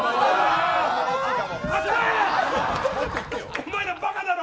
お前らバカだろ！